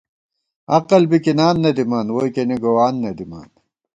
عقل بِکِنان نہ دِمان ووئے کېنے گووان نہ دِمان